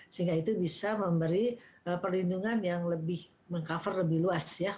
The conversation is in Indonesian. sehingga itu bisa memberi perlindungan yang lebih meng cover lebih luas ya